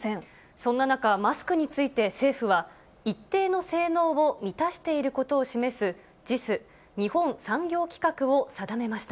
そんな中、マスクについて政府は、一定の性能を満たしていることを示す、ＪＩＳ・日本産業規格を定めました。